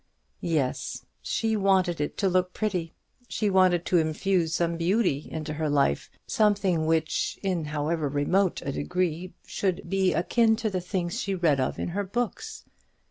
Yes; she wanted it to look pretty; she wanted to infuse some beauty into her life something which, in however remote a degree, should be akin to the things she read of in her books.